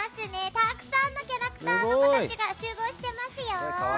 たくさんのキャラクターたちが集合してますよ。